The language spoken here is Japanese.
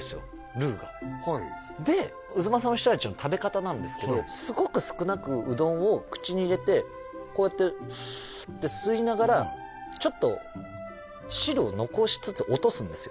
ルーがで太秦の人達の食べ方なんですけどすごく少なくうどんを口に入れてこうやってスーッて吸いながらちょっと汁を残しつつ落とすんですよ